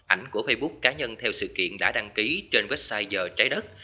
ảnh của facebook cá nhân theo sự kiện đã đăng ký trên website giờ trái đất